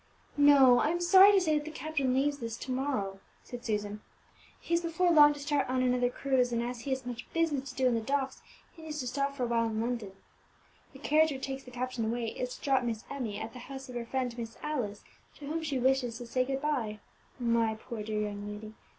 "No; I am sorry to say that the captain leaves this to morrow," said Susan. "He is before long to start on another cruise, and as he has much business to do in the docks, he needs to stop for awhile in London. The carriage which takes the captain away is to drop Miss Emmie at the house of her friend, Miss Alice, to whom she wishes to say good bye. My poor dear young lady!